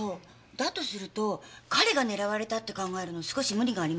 だとすると彼が狙われたって考えるの少し無理がありません？